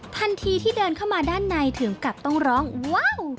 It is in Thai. ทันทีที่เดินเข้ามาด้านในถึงกับต้องร้องว้าว